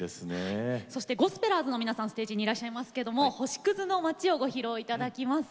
ゴスペラーズの皆さんがステージにいらっしゃいますが「星屑の街」をご披露いただきます。